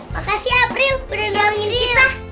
makasih ya april beri nolongin kita